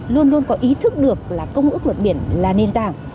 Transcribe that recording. luôn luôn có ý thức được là công ước luật biển là nền tảng